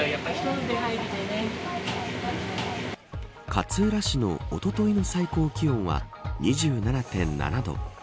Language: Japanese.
勝浦市のおとといの最高気温は２７．７度。